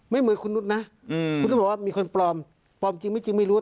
เหมือนคุณนุษย์นะคุณนุษย์บอกว่ามีคนปลอมปลอมจริงไม่จริงไม่รู้